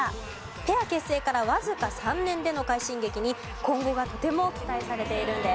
ペア結成からわずか３年での快進撃に今後がとても期待されているんです。